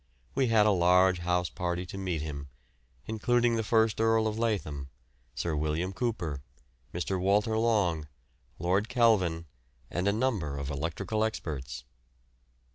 We had a large house party to meet him, including the first Earl of Lathom, Sir William Cooper, Mr. Walter Long, Lord Kelvin, and a number of electrical experts.